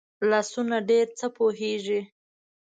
لاسونه ډېر څه پوهېږي